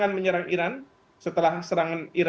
fakta serangan di situ sehangat minima